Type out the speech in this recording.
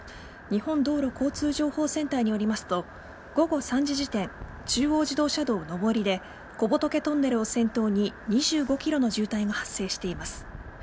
日本道路交通情報センターによりますと午後３時時点中央自動車道上りで小仏トンネルを先頭に２５ｋｍの渋滞が発生しています。